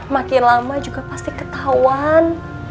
makin lama juga pasti ketahuan